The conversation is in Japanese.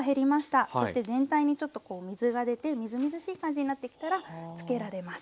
そして全体にちょっとこう水が出てみずみずしい感じになってきたら漬けられます。